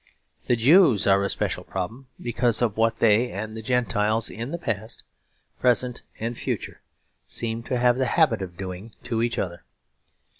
The Jews are a special problem, because of what they and the Gentiles, in the past, present, and future, seem to have the habit of doing to each other.